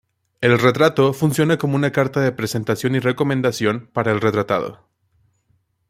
El retrato funciona como carta de presentación y recomendación para el retratado.